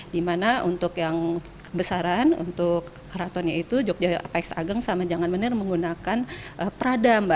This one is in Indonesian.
dimana untuk yang kebesaran untuk keratonnya itu jogja apex ageng sama jangan bener menggunakan prada mbak